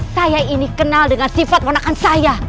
saya ini kenal dengan sifat monakan saya